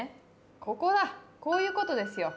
ここだこういうことですよ。